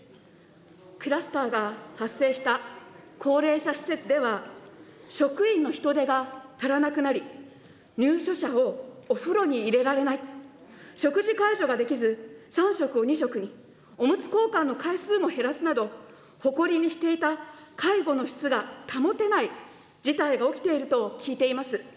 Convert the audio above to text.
クラスターが発生した高齢者施設では、職員の人手が足らなくなり、入所者をお風呂に入れられない、食事介助ができず、３食を２食に、おむつ交換の回数も減らすなど、誇りにしていた介護の質が保てない事態が起きていると聞いています。